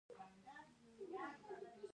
افغانستان زما ویاړ دی